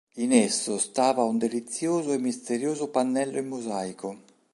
In esso stava un delizioso e misterioso pannello in mosaico.